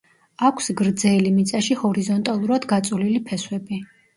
აქვს გრძელი, მიწაში ჰორიზონტალურად გაწოლილი ფესვები.